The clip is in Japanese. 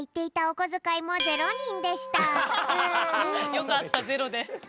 よかったゼロで。